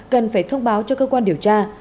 cần phải thông báo cho cơ quan điều tra